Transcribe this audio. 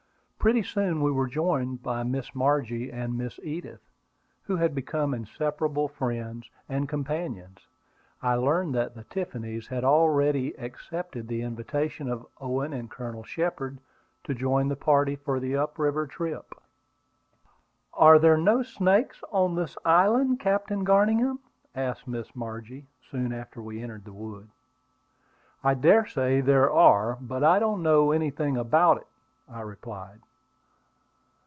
Pretty soon we were joined by Miss Margie and Miss Edith, who had become inseparable friends and companions. I learned that the Tiffanys had already accepted the invitation of Owen and Colonel Shepard to join the party for the up river trip. "Are there no snakes on this island, Captain Garningham?" asked Miss Margie, soon after we entered the wood. "I dare say there are; but I don't know anything about it," I replied.